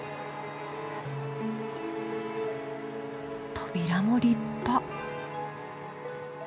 扉も立派。